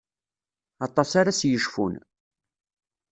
Aṭas ara s-yecfun.